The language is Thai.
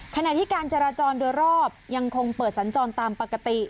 ขณะที่การจราจรโดยรอบยังคงเปิดสัญจรตามปกติ